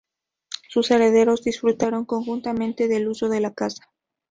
Sus herederos disfrutaron conjuntamente del uso de la casa.